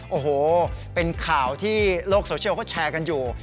โอ้โหเป็นข่าวที่โลกโซเชียลเขาแชร์กันอยู่